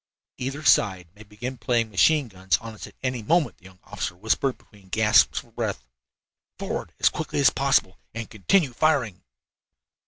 "Either side may begin playing machine guns on us at any moment," the young officer whispered, between gasps for breath. "Forward as quickly as possible, and continue firing."